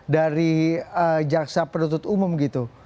dari jaksa penuntut umum gitu